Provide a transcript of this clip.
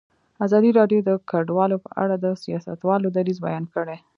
ازادي راډیو د کډوال په اړه د سیاستوالو دریځ بیان کړی.